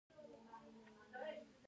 ولي موږ د خپل وخت په قدر نه پوهیږو؟